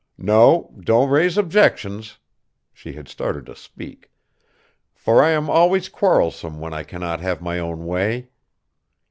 No, don't raise objections" she had started to speak "for I am always quarrelsome when I cannot have my own way.